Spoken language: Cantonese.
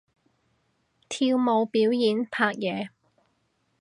跳舞表演拍嘢